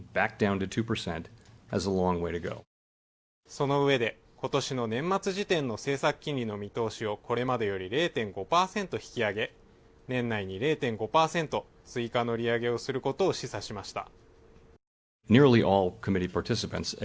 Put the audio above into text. その上で、今年の年末時点の政策金利の見通しをこれまでより０．５％引き上げ、年内に０．５％、追加の利上げをすることを示唆しました。